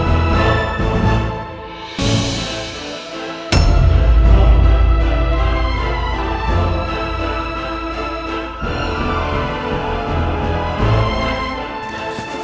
aku akan terhias